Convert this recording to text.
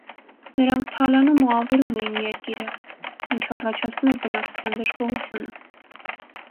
Նրանք թալանում և ավերում էին երկիրը, ինչը, առաջացնում էր բնակչության դժգոհությունը։